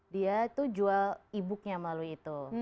dia itu jual ebooknya melalui itu